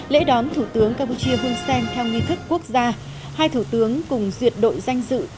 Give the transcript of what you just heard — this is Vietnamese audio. lễ đón thủ tướng campuchia hun sen theo nghi thức quốc gia hai thủ tướng cùng duyệt đội danh dự